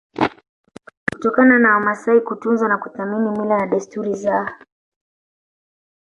kutokana na Wamasai kutunza na kuthamini mila na desturi zao